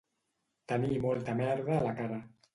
Tenir molta merda a la cara